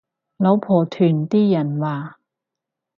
老婆團啲人話